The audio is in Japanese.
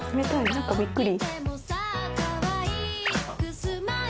何かびっくり？